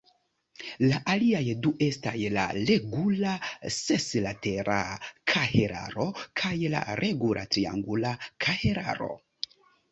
La aliaj du estas la regula seslatera kahelaro kaj la regula triangula kahelaro.